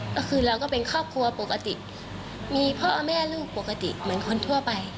ก็คือเราก็เป็นครอบครัวปกติมีพ่อแม่ลูกปกติเหมือนคนทั่วไป